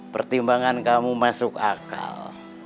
pertimbangan kamu masuk akal